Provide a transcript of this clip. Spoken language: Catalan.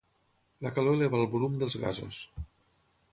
La calor eleva el volum dels gasos.